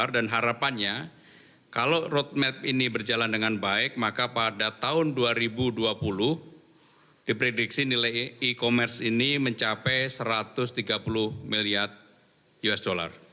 dan harapannya kalau roadmap ini berjalan dengan baik maka pada tahun dua ribu dua puluh diprediksi nilai e commerce ini mencapai satu ratus tiga puluh miliar usd